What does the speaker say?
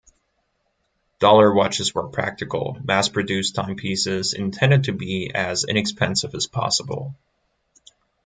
Dollar watches were practical, mass-produced timepieces intended to be as inexpensive as possible.